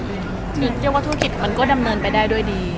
นิ้งเรียกว่าธุรกิจมันก็ดำเนินไปได้ด้วยดี